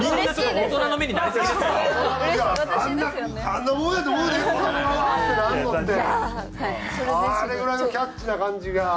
あれぐらいのキャッチーな感じが。